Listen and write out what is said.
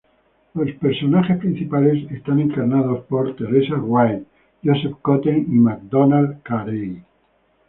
Los personajes principales son encarnados por Teresa Wright, Joseph Cotten y Macdonald Carey.